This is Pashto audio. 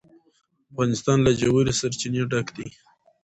افغانستان له ژورې سرچینې ډک دی.